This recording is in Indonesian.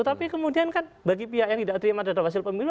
tapi kemudian kan bagi pihak yang tidak terima dada hasil pemilu